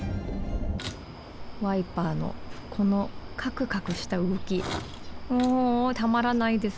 ワイパーのこのカクカクしたうごきもうたまらないです。